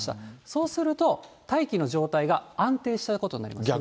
そうすると、大気の状態が安定したことになります。